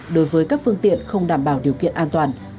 đối với các phương tiện không đảm bảo điều kiện an toàn